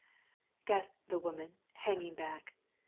gasped the woman, hang, jng back.